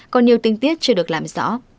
còn nhiều tinh tiết chưa được làm rõ